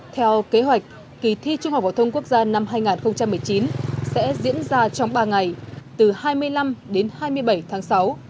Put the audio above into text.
theo kế hoạch kỳ thi trung học phổ thông quốc gia năm hai nghìn một mươi chín sẽ diễn ra trong ba ngày từ hai mươi năm đến hai mươi bảy tháng sáu